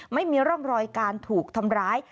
ไม่มีร่องรอยการถูกทำร้าย